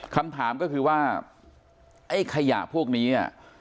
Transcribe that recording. คำถามก็คือว่าไอ้ขยะพวกนี้